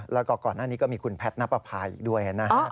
แล้วก็ก่อนหน้านี้ก็มีคุณแพทย์นับประพาอีกด้วยนะฮะ